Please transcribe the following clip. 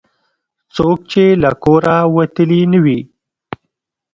څوک چې له کوره وتلي نه وي.